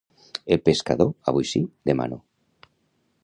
El pescador, avui sí, demà no.